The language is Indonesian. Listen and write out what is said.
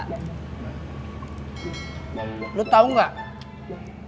kenapa ustadz rombli yang suruh ceramah